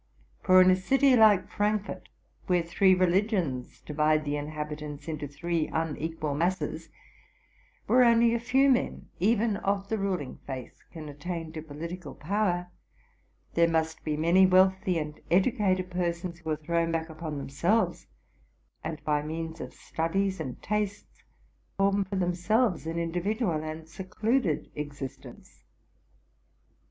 For in a city like Frankfort, where three religions divide the inhabitants into three unequal masses ; where only a few men, even of the ruling faith, can attain to political power, —there must be many wealthy and educated persons who are thrown back upon themselves, and, by means of studies and tastes, form for themselves an indi vidual and secluded existence.